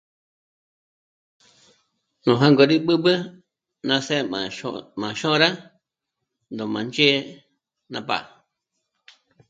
Nú jângo rí b'ǚb'ü ná sé' má... má xôra, ndó má ndzhé'e ná b'á'a